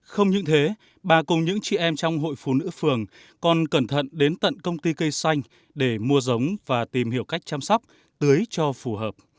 không những thế bà cùng những chị em trong hội phụ nữ phường còn cẩn thận đến tận công ty cây xanh để mua giống và tìm hiểu cách chăm sóc tưới cho phù hợp